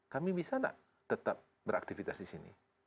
kami bisa nggak tetap beraktivitas di sini